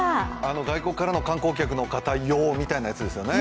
外国からの観光客用みたいなことですよね。